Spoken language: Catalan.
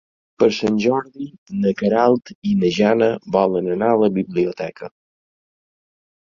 Per Sant Jordi na Queralt i na Jana volen anar a la biblioteca.